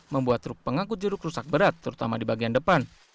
membuat truk pengangkut jeruk rusak berat terutama di bagian depan